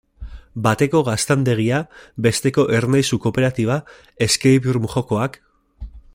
Bateko gaztandegia, besteko Ernaizu kooperatiba, escape-room jokoak...